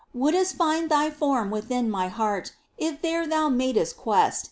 Wouldst find thy form within My heart If there thou madest quest.